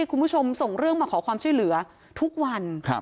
คุณผู้ชมส่งเรื่องมาขอความช่วยเหลือทุกวัน